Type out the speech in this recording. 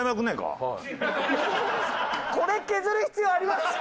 これ削る必要あります？